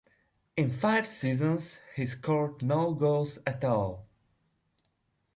In five seasons he scored no goals at all.